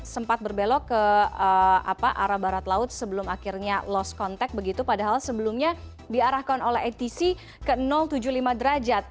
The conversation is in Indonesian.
sempat berbelok ke arah barat laut sebelum akhirnya lost contact begitu padahal sebelumnya diarahkan oleh atc ke tujuh puluh lima derajat